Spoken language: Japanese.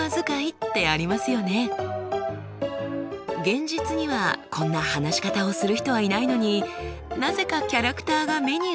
現実にはこんな話し方をする人はいないのになぜかキャラクターが目に浮かぶ。